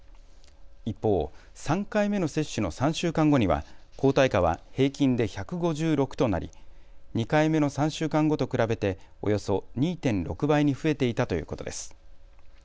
一方、３回目の接種の３週間後には抗体価は平均で１５６となり２回目の３週間後と比べておよそ２．６倍に増えていたということです。